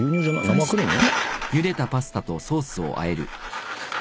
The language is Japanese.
生クリーム？